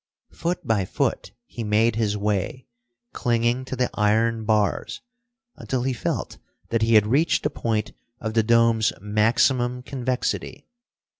Foot by foot he made his way, clinging to the iron bars, until he felt that he had reached the point of the dome's maximum convexity.